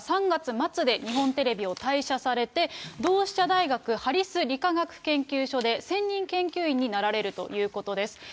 ３月末で日本テレビを退社されて、同志社大学ハリス理化学研究所で専任研究員になられるということです。